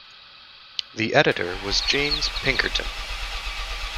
The editor was James Pinkerton.